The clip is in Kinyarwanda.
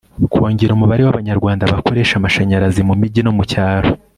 kongera umubare w' abanyarwanda bakoresha amashanyarazi mu migi no mu cyaro